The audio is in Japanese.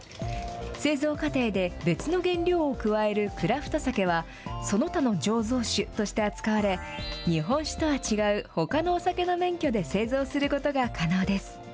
製造過程で別の原料を加えるクラフトサケは、その他の醸造酒として扱われ、日本酒とは違うほかのお酒の免許で製造することが可能です。